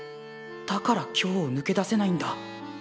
だから今日をぬけ出せないんだ。